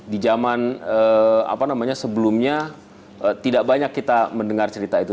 di zaman sebelumnya tidak banyak kita mendengar cerita itu